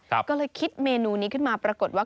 ก็เลยคิดเมนูนี้ขึ้นมาปรากฏว่า